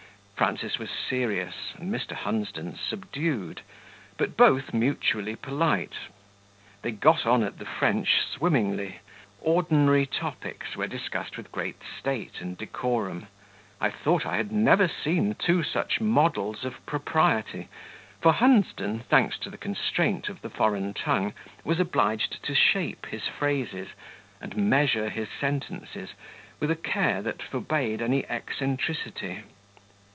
Frances was serious, and Mr. Hunsden subdued, but both mutually polite; they got on at the French swimmingly: ordinary topics were discussed with great state and decorum; I thought I had never seen two such models of propriety, for Hunsden (thanks to the constraint of the foreign tongue) was obliged to shape his phrases, and measure his sentences, with a care that forbade any eccentricity.